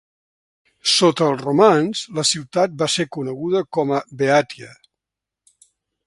Sota els romans, la ciutat va ser coneguda com a Beatia.